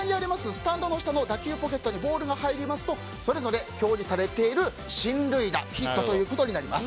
スタンドの下の打球ポケットにボールが入りますとそれぞれ表示されている進塁打、ヒットとなります。